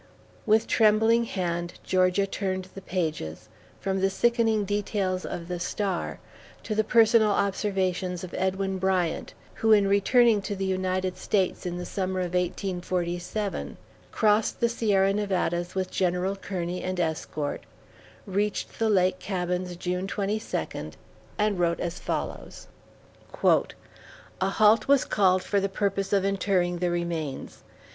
With trembling hand Georgia turned the pages, from the sickening details of the Star to the personal observations of Edwin Bryant, who in returning to the United States in the Summer of 1847, crossed the Sierra Nevadas with General Kearney and escort, reached the lake cabins June 22, and wrote as follows: A halt was called for the purpose of interring the remains.